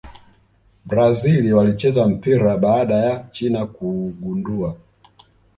brazil walicheza mpira baada ya china kuugundua